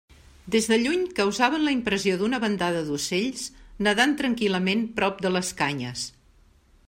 Des de lluny causaven la impressió d'una bandada d'ocells nadant tranquil·lament prop de les canyes.